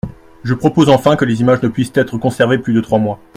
» Je propose enfin que les images ne puissent être conservées plus de trois mois.